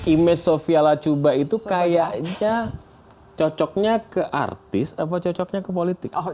image sofia lacuba itu kayaknya cocoknya ke artis apa cocoknya ke politik